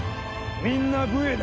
みんな武衛だ。